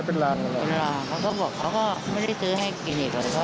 เป็นลางเขาก็บอกว่าเขาก็ไม่ได้ซื้อให้กินอีกแล้ว